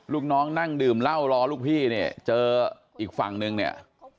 ลูกน้องนั่งดื่มเหล้ารอลูกพี่เนี่ยเจออีกฝั่งนึงเนี่ย